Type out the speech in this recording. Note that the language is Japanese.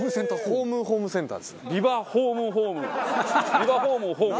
ビバホームをホーム。